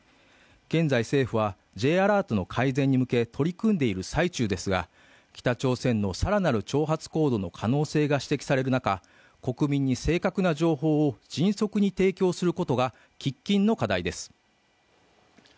現在、政府はＪアラートの改善に向け取り組んでいる最中ですが北朝鮮の更なる挑発行動の可能性が指摘される中、国民に正確な情報を迅速に提供することが喫緊の課題です。